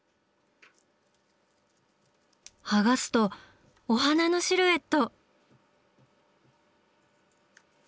剥がすとお花のシルエット！